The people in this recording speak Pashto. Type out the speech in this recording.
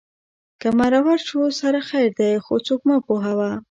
که مرور شو سره خیر دی خو څوک مه پوهوه